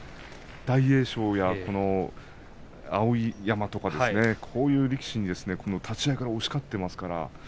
大栄翔や碧山とかこういう力士に立ち合いから押し勝っています。